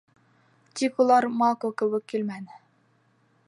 Тик улар мако кеүек килмәне.